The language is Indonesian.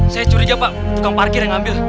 saya curiga pak tukang parkir yang ambil